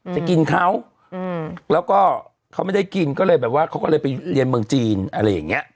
จะกินเขาแล้วก็เขาไม่ได้กินก็เลยแบบว่าเขาก็เลยไปเรียนเมืองจีนอะไรอย่างเงี้ย